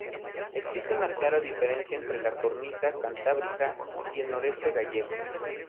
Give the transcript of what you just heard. Existe una clara diferencia entre la cornisa cantábrica y el noroeste gallego.